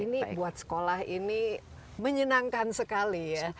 ini buat sekolah ini menyenangkan sekali ya